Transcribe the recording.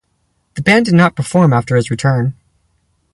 The band did not perform after his return.